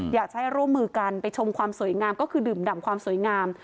อยากจะให้ร่วมมือกันไปชมความสวยงามก็คือดื่มดำความสวยงาม